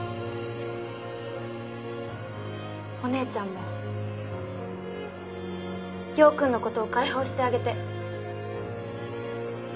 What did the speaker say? お姉ちゃんも陽君のことを解放してあげて。